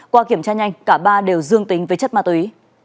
qua kiểm tra nhanh cả ba đều dương tính với chất ma túy